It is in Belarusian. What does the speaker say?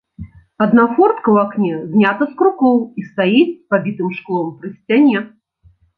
Адна фортка ў акне знята з крукоў і стаіць з пабітым шклом пры сцяне.